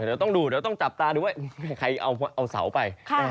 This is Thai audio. เดี๋ยวต้องดูเดี๋ยวต้องจับตาดูว่าใครเอาเสาไป